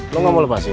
lo gak mau lepasin